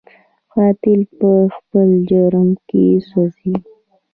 قاتل په خپل جرم کې سوځي